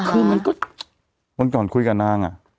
คือมันก็วันก่อนคุยกับนางอ่ะ